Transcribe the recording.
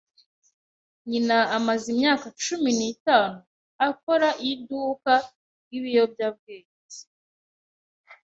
Nyina amaze imyaka cumi n'itanu akora iduka ryibiyobyabwenge.